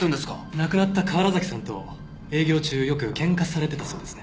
亡くなった河原崎さんと営業中よく喧嘩されてたそうですね。